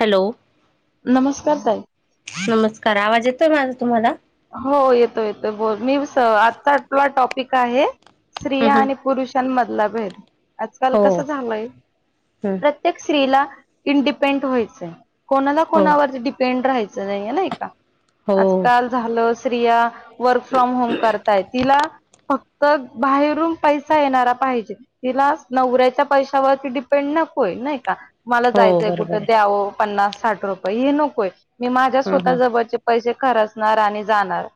Hello नमस्कार ताई. नमस्कार आवाज येतोय माझा तुम्हाला हो येतो येतो बोल मी आजचा आपला टॉपिक आहे स्त्रिया हम् हम् आणि पुरुष मधला भेद आजकाल हो कस झालय हम् प्र प्रत्येक स्त्रीला इंडिपेंडट व्हायचंय कोणाला हो कोणावरचा डिपें पेंड राहायचं नाहीय नाही का हो आजकाल झालं स्त्रिया वर्क फ्रॉम होम करताय तिला फक्त बाहेरून पैसा येणारा पाहिजे तिलाच नवऱ्याच्या पैशावरती डिपेंड नकोय नाही का? मला हो जायचंय बरोबर कुठं आहे द्यावं पन्नास साठ रुपये हे नकोय मी माझ्या हम् स्वतः हम् जवळचे पैसे खरचणार आणि जाणार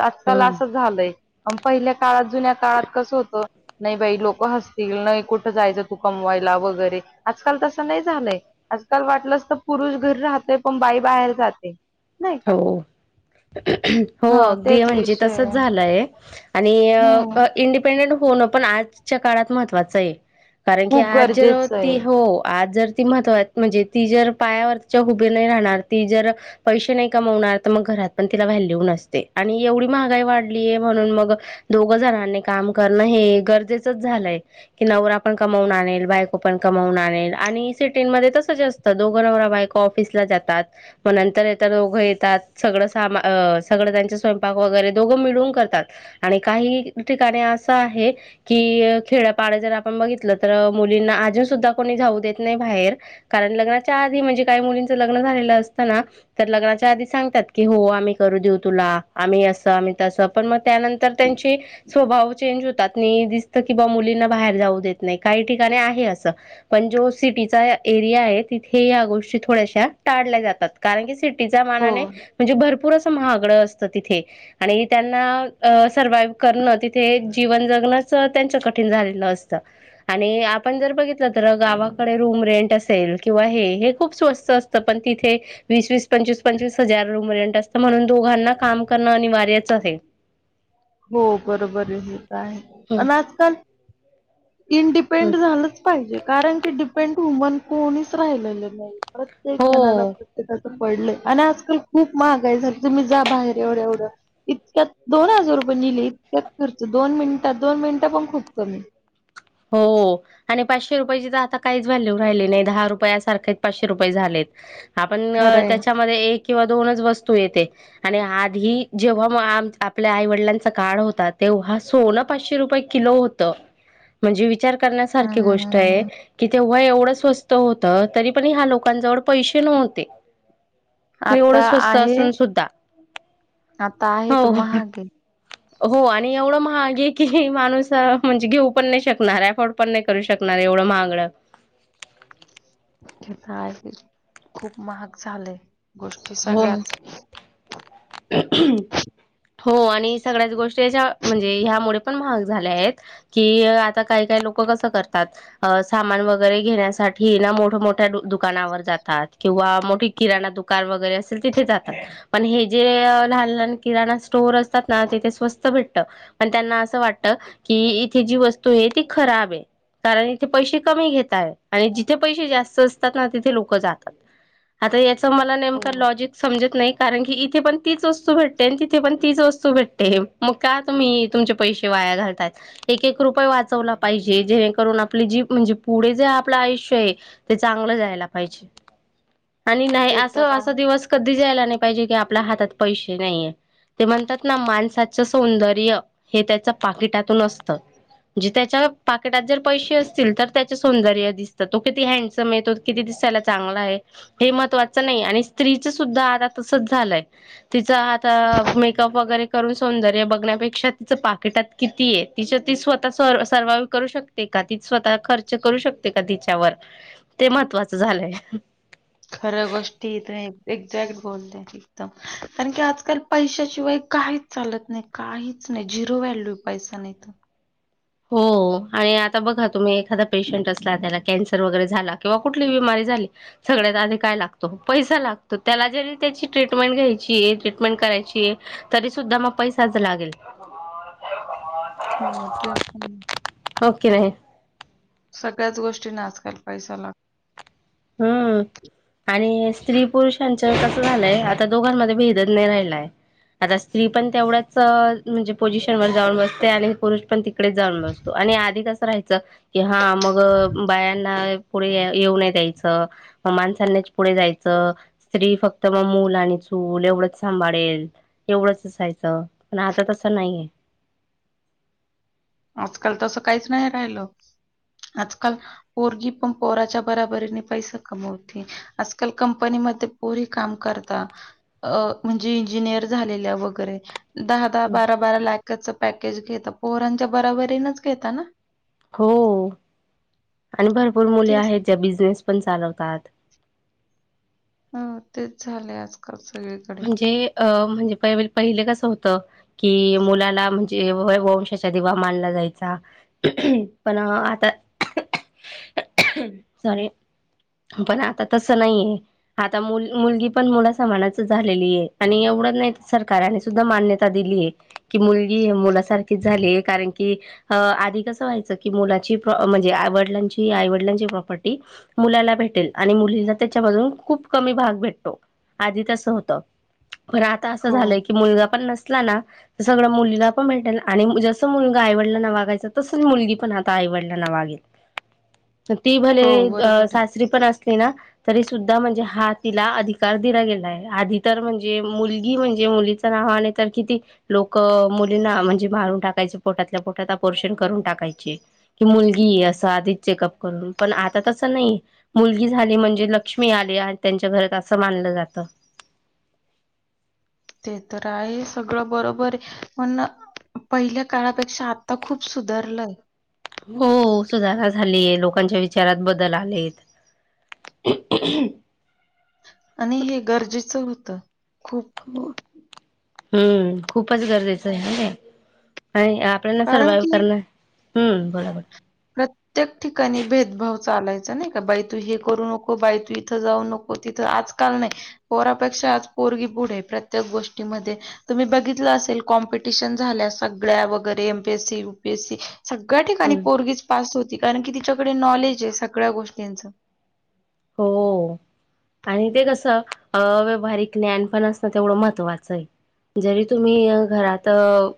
आजकाल हम् असं झालंय पहिल्या काळात जुन्या काळात कसं होतं? नाही बाई लोक हसतील नाही कुठं जायचं तू कमवायला वगैरे आजकाल तसं नाही झालंय. आजकाल वाटलंस तर पुरुष घरी राहतेय पण बाई बाहेर जाते. नाही का हो. हो हां, अगदी तेच म्हणजे विषय तसच आहे. झालंय आणि अं हं, इंडिपेंडेन्ट डिपेंडेंट होणं पण आजच्या काळात महत्त्वाचं आहे. कारण की खूप आज जर गरजेचं आहे. ती हो आज जर महतवा म्हणजे ती जर पायावरच्या हुभे नाही राहणार ती जर पैशे नाही कमवणार तर मग घरात पण तिला व्हॅल्यू नसते आणि एवढी महागाई वाढलीय म्हणून मग दोघ जणांनी काम करणं हे गरजेचंच झालंय की नवरा पण कमावून आनेल बायको पण कमावून आणेल आणि सिटीमध्ये तसं जा असत. दोघ नवरा बायको ऑफिसला जातात मग नंतर येताना घ येतात सगळं सामा सगळं त्यांचे स्वयंपाक वगैरे दोघं मिळून करतात. आणि काही ठिकाणी असं आहे. कि खेड्यापाड जर आपण बघितलं तर मुलींना अजून सुद्धा कोणी जाऊ देत नाही बाहेर. कारण लग्नाच्या आधी म्हणजे काही मुलींच लग्न झालेलं असत ना तर लग्ना ते आधी सांगतात की हो आम्ही करू देऊ तुला, आम्ही अस आम्ही तस पण मग त्यानंतर त्यांची स्वभाव चेंज होतात नीं दिसत कि बा मुलींना बाहेर जाऊ देत नाही काही ठिकाणी आहे असं पण जो सिटीचा एरिया आहे तिथे या गोष्टी थोड्याशा टाळल्या जातात कारण की सिटी तिच्या हो, मानाने म्हणजे भरपूर असं महागड असत तिथे आणि त्यांना अ सर्वाइव करणं तिथे जीवन जगणंच त्यांच कठीण झालेलं असतं. आणि आपण जर बघितलं तर गावाकडे रूम रेंट अस किंवा हे हे खूप स्वस्त असतं पण तिथे वीस वस पंचवीस पंवीस हजार रूम म्हणून दोघांना काम करणं अनिवार्यचं आहे. हो बरोबर हे तर आहे आणि आजकाल इंडिपे हम्. न्डच झालंच पाहिजे कारण की डिपेंड वुमन कोणीच राहिलेलं नाही. प्रत्येक जणाला हो प्रत्याका पडलंय आणि आजकाल खूप महागाय झाली तुम्ही जा बाहेर एवढं एवढं इतक्यात दोन हजार रुपये निले इतक्यात खर्च, दोन मिनिटात दोन मिनिटं पण खूप कमी हो. आणि पाचशे रुपयाची तर आता काहीच व्हॅल्यू राहिली नाही दहा रुपया सारखेच पाचशे रुपये झालेत. आपण खरंय. त्याच्यामध्ये एक किंवा दोनच वस्तू येते. आणि आधी जेव्हा म आपल्या आई वडिलांचा काळ होता तेव्हा सोनं पाचशे रुपये किलो होत म्हणजे विचार करण्यासारखी गोष्ट आहे. अं, की तेव्हा एवढं स्वस्त होत तरी पण ह्या लोकांजवळ पैसे नव्हते. आता एवढं स्वस्त आहे, असून सुद्धा आता आहे हो त महागे हो आणि एवढं महागे की माणूस म्हणजे घेऊ पण नाही शकणार आहे फड अफर्ड पण नाही करू शकणार एवढं महागड हेता आहे खूप महाग झालंय गोष्टी हो सगळ्याच हो आणि सगळ्याच गोष्टी याच्या म्हणजे ह्यामुळे पण महाग झाल्या आहेत. कि आता काही काही लोक कसं करतात. अ सामान वगैरे घेण्यासाठी ना मोठ मोठ्या दुकानावर जातात किंवा मोठी किराणा दुकान वगैरे असेल तिथे जातात पण हे. जे लहान लहान किराणा स्टोअर असतात ना तेथे स्वस्त भेटत. पण त्यांना असं वाटत की इथे जी वस्तू आहे ती खराब आहे. कारण इथे पैसे कमी घताय आणि जिथे पैसे जास्त असतात ना तिथे लोक जातात. आता याच मला नेमक हो लॉजिक समजत नाही कारण की इ तिथे पण तीच वस्तू भेटते आणि तिथे पण तीच वतू भेटते मग का तुम्ही तुमचे पैसे वाया घालतायात. एक एक रुपये वाचवला पाहिजे जेणेकरून आपली जी म्हणजे पुढे जे आपलं आयुष्य आहे. ते चांगलं जायला पाहिजे. [unintelligible] आणि नाही ते तर असं असा आहे. दिवस कधी जायला नाही पाहिजे की आपल्या हातात पैसे नाहीये. ते म्हणतात ना माणसाचं सौंदर्य हे त्याच पाकिटातून असतं. म्हे त्याच्या पाकेटात जर पैसे असतील तर त्याचे सौंदर्य दिसतं तो किती हँडसम येतो. किती दिसायला चांगलं आहे हे महत्त्वाचं नाही आणि स्त्रीच सुद्धा आता तसच झालंय. तिचं आता मेकअप वगैरे करून सौंदर्य बघण्यापेक्षा तिचं पाकिटात किती आहे तिच्या ती स्वतः स सर्वा करू शकते. तेका तीच स्वतः खर्च करू शकते का तिच्यावर ते महत्वाचं झालंय. खऱ्या गोष्टीथ नाही एक्झॅक्ट बोलते. एकदम कारण की आजकाल पैशाशिवाय काहीच चालत नाही काहीच नाही झिरो व्हॅल्यू. पैसा नाही तर हो आणि आता बघा तुम्ही एखादा पेशंट असला त्याला कॅन्सर वगैरे झाला किंवा कुठली बिमारी झाली. सगळ्यात आधी काय लागतो पैसा लागतो त्याला जरी त्याची ट्रीटमेंट घ्यायची आहे ट्रीटमेंट करायची आहे. तरी सुद्धा मग पैसाच लागेल. हो ते पण होक नाही आहे. सगळ्याच गोष्टीना आजकाल पैसा लागतो. हम्म. आणि स्त्री पुरुषांच कसं झालंय आता दोघांमध्ये भेदत नाही राहिलाय. आता स्त्री पण तेवढ्याच म्हणजे पोजिशन वर जाऊन बसते आणि पुरुष पण त तडे जाऊन बसतो आणि आधी कसं राहायचं. कि हा मग बायांना पुढे येऊ न यायचं. मानसलण्याच पुढे जायचं. स्त्री फक्त मग मूल आणि चूल एवढंच सांभाळेल. एवढंच असायचं पण आता तसं नाहीय आजकाल तसं काहीच नाही राहिलं आजकाल पोरगी पण पोराच्या बराबरीने पैसा कमवते आजकाल कंपनीमध्ये पोरी काम करत अ म्हणजे इंजिनिअर झालेल्या वगैरे दहा दहा बारा बारा लॅखच पॅकेज घेता पोहरांच्या बराबरीनच घेता ना हो आणि भरपूर मुले तेच आहेत ज्या बिझनेस पण चालवतात हो तेच झाले आजकाल क स एकेत म्हणजे अ म्हणजे प पहिले कसं होतं की मुलाला म्हणजे ज वंशाचा दिवा मानला जायचा पण आता सरी पण आता तसं नाहीये आता मुल मुलगी पण मुला स म्हणच झा एवढ नाही सरकार सुा मान्यता दिली आहे क मुली ारच झाले कारण की आधी कसं व्हायचं की मुलाची म्हणजे आवडिलांची आईवडिलांची प्रॉपर्टी मुलाला भेटेल आणि मुली त्याच्यामधून खूप कमी भाग भेटतो आधी त होत पण आता असं हो, झालं की मुलगा पण नसला ना तर सगळं मुलीला पण भेटेल आणि जसं मुलगा आईवडलांना वागायचं तसंच मुलगी पण आता आईवडलां ना वागेल [inaudible] ती भले हो, बरोबर आहे. सासरी पण असली ना तरी सुद्धा म्हणजे हा तिला अधिकार दिला गेला आहे. आधी तर म्हणजे मुलगी म्हणजे मुलीचं नाव आण तर किती लोक मुलींना म्हणजे मारून टाकायचे पोटातल्या पोटातपोर्शन करून टाकायचे की मुलगी आहे असं आधीच चेकअप करून पण आता तसं नाही मुलगी झाली म्हणजे लक्ष्मी आली आणि त्यांच्या घरात असं मानलं जात ते तर आहे सगळं बरोबर आहे पण पहिल्या काळापेक्षा आता खूप सुधारलंय हो सुधारणा झालीय लोकांच्या विचारात बदल आलेत ह आणि हे गरजेचं होतं खूप हम्म खूपच गरजेचं आहे आणि आपल्याना कारण सर्वाइव की करणं बोला ब प्रत्येक ठिकाणी भेदभाव चालायचं नाही का बाई तु हे करू नको बाई तू इथं जाऊ नको तिथं आजकाल नाही पोरापेक्षा आज पोरगी पुढ आहे प्रत्येक गोष्टीमध्ये तुम्ही बघितलं असेल कॉम्पिटिशन झाल्या सगळ्या वगैरे एमपीएससी युपीएससी सगळ्या ठिकाणी हम्म पोरगीज पास होती कारण की तिच्याकडे नॉलेज आहे सगळ्या गोष्टींच हो आणि ते कसं व्यावहारिक ज्ञानपणा असणं तेवढं महत्त्वाचं आहे जरी तुम्ही घरात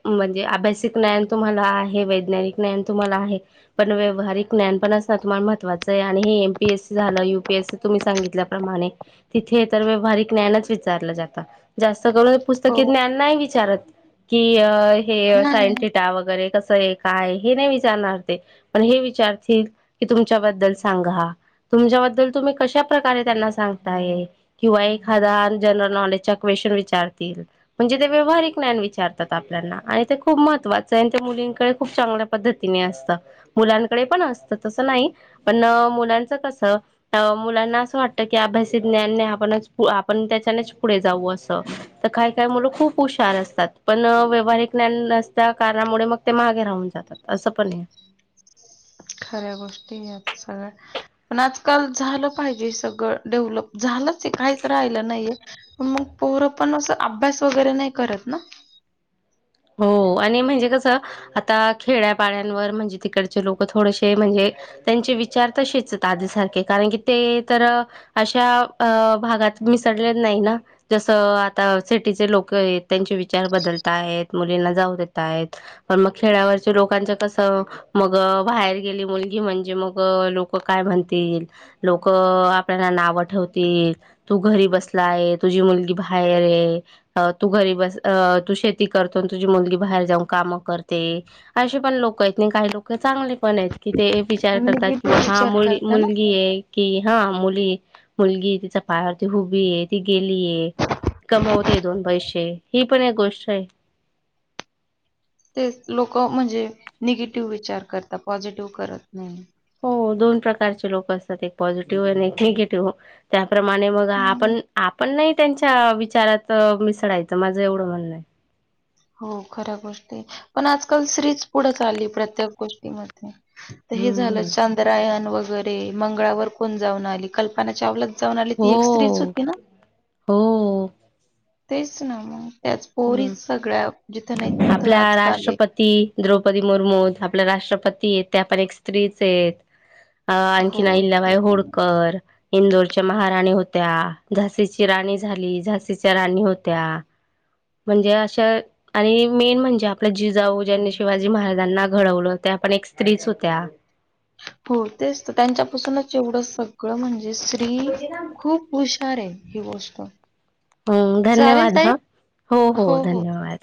म्हणजे अभ्यासिक ज्ञान तुम्हाला आहे वैज्ञानिक हे ज्ञान तुम्हाला आहे पण व्यवहारिक ज्ञान तुम्हाला असणं महत्वाचं आहे हे एम पीसी झालं तुम्ही सगितल्या प्रमाणे तिथे तर व्यवहारिक ज्ञान विचार जात? जास्त करून हो पुस्तकी ज्ञान नाही विचारत की हे नाही सायंटि वगैरे कसं आहे काय हे नाही विचारणार ते पण हे विचारतील की तुमच्याबद्दल सांगा तुमच्याबद्दल तुम्ही कशा प्रकारे त्यांना सांगताय. किंवा एक हजार जनरल नॉलेजच्या क्वेश्चन विचारतील म्हणजे ते व्यवहारिक ज्ञान विचारतात आपल्याला आणि ते खूप महत्त्वाचं आहे त्या मुलींकडे खूप चांगलं. पद्धतीने असत मुलांकडे पण असत तस नाही पण मुलांच कसं मुलांना असं वाटतं की अभ्यास ज्ञानने आपणच आपण त्याच्यानेच पुढे जाऊ असं. तर काय काय मुलं खूप हुशार असतात पण व्यावहारिक ज्ञान न त्या कारणामुळे मग ते माहागे राहून जातात असं पण आहे. खऱ्या गोष्टी या सगळ्या. पण आजकाल झालं पाहिजे सगळं डेव्हलप झालंच काहीच राहिलं नाहीये. मग पोरं पण अस अभ्यास वगैरे नाही करत ना. हो आणि म्हणजे कसं आता खेड्यापाड्यांवर म्हणजे तिकडचे लोक थोडेसे म्हणजे त्यांचे विचार तसेच आधीसारखे कारण की ते तर अशा अ भागात मिसळलेल नाही ना- जसं आता सिटीचे लोक आहेत त्यांचे विचार बदलत आहेत मुलींना जाऊ देत आहेत. पण मग खेळावरचे लोकांच कसं मग बाहेर गेली मुलगी म्हणजे मग लोक काय म्हणतील लोक आपल्याला नाव ठेवतील तू घरी बसला आहे तुझी मुलगी बाहेर आहे तू घरी बस तू शेती करतो तुझी मुलगी बाहेर जाऊन काम करते असे पण लोक आहेत नाही काही लोक चांगले पण आहेत. कि ते विचार म्हणजे करतात की बा किती हा विचार मुल करता ना मुलगी आहे. कि हा मुली मुलगी तिच्या पायावरती हुभी आहे ती गेलीय. कमावते दोन पैसे ही पण एक गोष्ट आहे. ते लोक म्हणजे निगेटिव्ह विचार करतात पॉझिटिव्ह करत नाही. हो दोन प्रकारचे लोक असतात एक पॉझिटिव्ह आणि एक निगेटिव्ह त्याप्रमाणे मग हम्म. आपण आपण नाही त्यांच्या विचारात मिसळायचं माझं एवढं म्हणणं आहे. हो खऱ्या गोष्टी, पण आजकाल स्त्रिच पुढं चालली प्रत्येक गोष्टीमध्ये. तर हे झालं हम्म, चांंद्रायन वगैरे मंगळावर कोण जाऊन आली कल्पना चावला. हो हो. तेच ना मग, त्याच पोरी हम्म. सगळ्या जिथं नाही तिथं आपल्या आजकाल ये. राष्ट्रपती द्रौपदी मुर्मू आपल्या राष्ट्रपती आहेत. त्या पण एक स्त्रीच आहेत. अ आणखीन हो. अहिल्याबाई तेच ना. होडकर. इंदोरच्या महाराणी होत्या. झाशीची राणी झाली झाशीच्या राणी होत्या. म्हणजे अशा. आणि मेन म्हणजे, आपलं जिजाऊ ज्यांनी शिवाजी महाराजांना घडवलं त्या आपण एक स्त्रीच होत्या. हो तेच तर त्यांच्यापासूनच एवढं, सगळं म्हणजे स्त्री खूप. हुशार आहे ही गोष्ट. हम् चालेल धन्यवाद ताई ह, हो हो धन्यवाद.